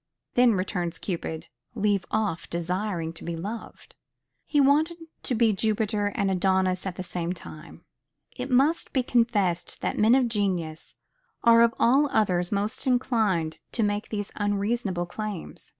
Then, returns Cupid, leave off desiring to be loved. He wanted to be Jupiter and Adonis at the same time. It must be confessed that men of genius are of all others most inclined to make these unreasonable claims.